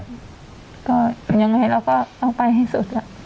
ก็ยังไงเราก็ต้องไปให้สุด